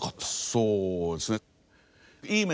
そうですね。